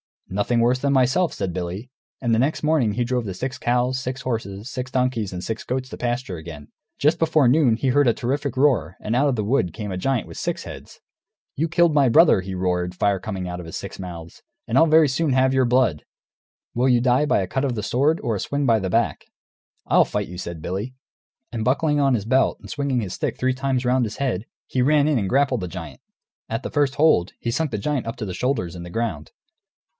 "Nothing worse than myself," said Billy. And next morning he drove the six cows, six horses, six donkeys, and six goats to pasture again. Just before noon he heard a terrific roar; and out of the wood came a giant with six heads. "You killed my brother," he roared, fire coming out of his six mouths, "and I'll very soon have your blood! Will you die by a cut of the sword, or a swing by the back?" "I'll fight you," said Billy. And buckling on his belt and swinging his stick three times round his head, he ran in and grappled the giant. At the first hold, he sunk the giant up to the shoulders in the ground.